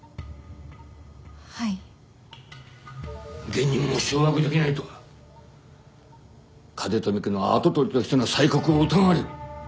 下忍も掌握できないとは風富家の跡取りとしての才覚を疑われる。